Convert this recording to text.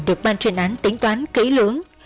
được ban chuyên án tính toán kỹ lưỡng